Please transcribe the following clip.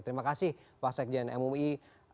terima kasih pak sekjen mui